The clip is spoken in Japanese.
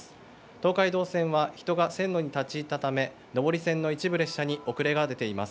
東海道線は人が線路に立ち入ったため、上り線の一部列車に遅れが出ています。